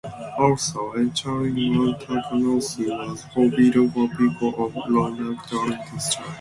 Also, entering Mount Takanosu was forbidden for people of low rank during this time.